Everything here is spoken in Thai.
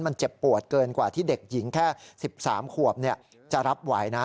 มันเจ็บปวดเกินกว่าที่เด็กหญิงแค่๑๓ขวบจะรับไหวนะ